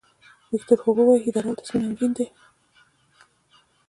ویکتور هوګو وایي اراده او تصمیم اړین دي.